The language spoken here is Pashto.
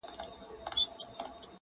• له جهان سره به سیال سيقاسم یاره..